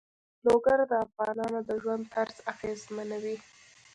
لوگر د افغانانو د ژوند طرز اغېزمنوي.